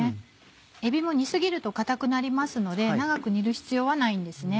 えびも煮過ぎると硬くなりますので長く煮る必要はないんです。